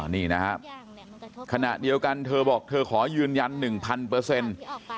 นี่นะครับขณะเดียวกันเธอบอกเธอขอยืนยันหนึ่งพันเปอร์เซ็นต์